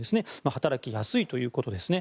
働きやすいということですね。